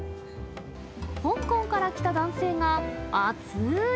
香港から来た男性が熱ーい